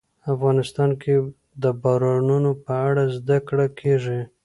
افغانستان کې د بارانونو په اړه زده کړه کېږي.